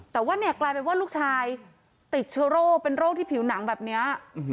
แต่ว่าเนี่ยกลายเป็นว่าลูกชายติดเชื้อโรคเป็นโรคที่ผิวหนังแบบนี้